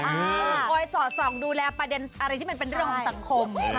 เศร้าโยส่องดูแลประเด็นศิลป์หนองคิดความชุดในสังคม